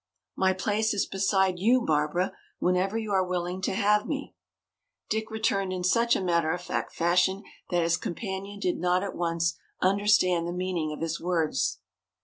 "My place is beside you, Barbara, whenever you are willing to have me," Dick returned in such a matter of fact fashion that his companion did not at once understand the meaning of his words.